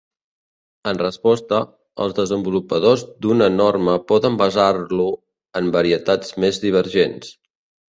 En resposta, els desenvolupadors d'una norma poden basar-lo en varietats més divergents.